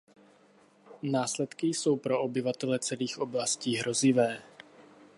Následky jsou pro obyvatele celých oblastí hrozivé.